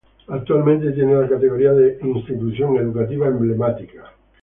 Actualmente tiene la categoría de Institución Educativa Emblemática.